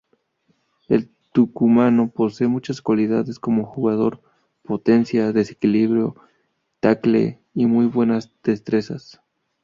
El tucumano posee muchas cualidades como jugador, potencia, desequilibrio, tackle y muy buenas destrezas.